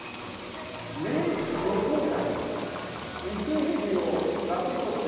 麺予想外。